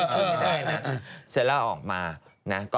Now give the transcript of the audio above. เสร็จแล้วออกมานะ